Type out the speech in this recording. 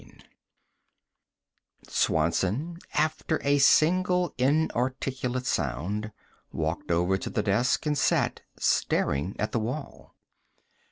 V Swanson, after a single inarticulate sound, walked over to the desk and sat staring at the wall.